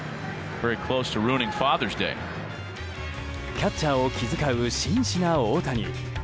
キャッチャーを気遣う紳士な大谷。